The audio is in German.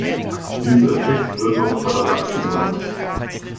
Dieser Effekt wird auch Parallaxe genannt.